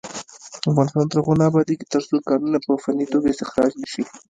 افغانستان تر هغو نه ابادیږي، ترڅو کانونه په فني توګه استخراج نشي.